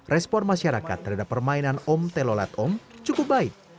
respon masyarakat terhadap permainan om telolet om cukup baik